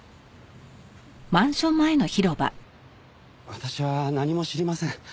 私は何も知りません。